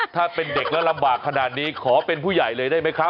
ถ้าเป็นเด็กแล้วลำบากขนาดนี้ขอเป็นผู้ใหญ่เลยได้ไหมครับ